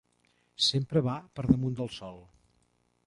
Sempre va per damunt del sol.